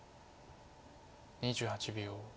２８秒。